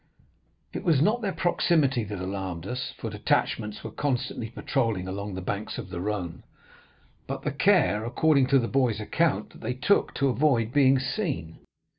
It was not their proximity that alarmed us, for detachments were constantly patrolling along the banks of the Rhône, but the care, according to the boy's account, that they took to avoid being seen.